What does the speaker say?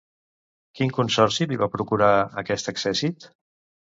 Quin consorci li va procurar aquest accèssit?